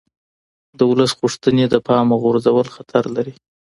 د ولس غوښتنې د پامه غورځول خطر لري